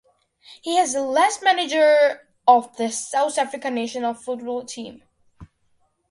He was last manager of the South Africa national football team.